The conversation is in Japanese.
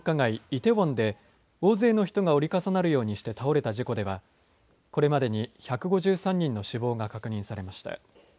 イテウォンで大勢の人が折り重なるようにして倒れた事故ではこれまでに１５３人の死亡が確認されました。